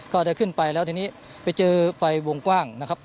ก็ได้ขึ้นไปแล้วทีนี้ไปเจอไฟวงกว้างนะครับ